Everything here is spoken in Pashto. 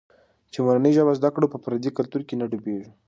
چي مورنۍ ژبه زده کړو، په پردي کلتور کې نه ډوبېږو.